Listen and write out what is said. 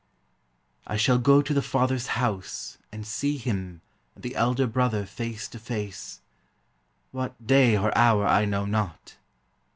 I shall go to the Father's house, and see Him and the Elder Brother face to face, What day or hour I know not.